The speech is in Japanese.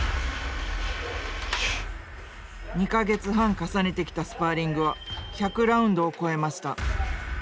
２か月半重ねてきたスパーリングは１００ラウンドを超えました。